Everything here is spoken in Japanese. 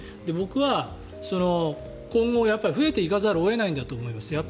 僕は今後、増えていかざるを得ないんだと思います。